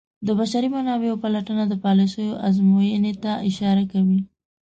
د بشري منابعو پلټنه د پالیسیو ازموینې ته اشاره کوي.